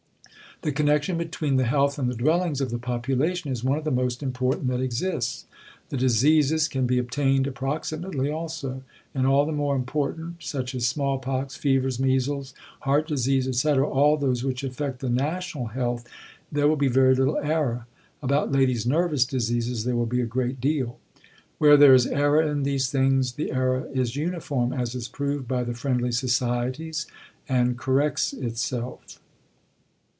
The connection between the health and the dwellings of the population is one of the most important that exists. The "diseases" can be obtained approximately also. In all the more important such as smallpox, fevers, measles, heart disease, etc. all those which affect the national health, there will be very little error. (About ladies' nervous diseases there will be a great deal.) Where there is error in these things, the error is uniform, as is proved by the Friendly Societies; and corrects itself....